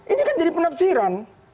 ini kan jadi penafsiran